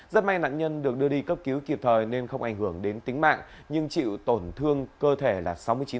rất may nạn nhân được đưa đi cấp cứu kịp thời nên không ảnh hưởng đến tính mạng nhưng chịu tổn thương cơ thể là sáu mươi chín